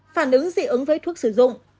phản ứng dị ứng với thuốc sử dụng